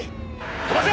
飛ばせ！